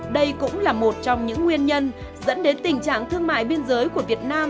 đây cũng là một trong những nguyên nhân dẫn đến tình trạng thương mại biên giới của việt nam